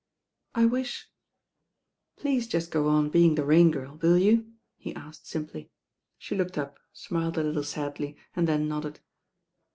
"I with " "Pleate jutt go on being the Rain Girl, will you ?" he atked timply. She looked up, tmiled a Uttle tadly, and then nodded.